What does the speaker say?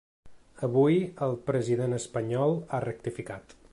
Avui, el president espanyol ha rectificat.